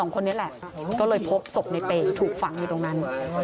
คนนี้แหละก็เลยพบศพในเปย์ถูกฝังอยู่ตรงนั้น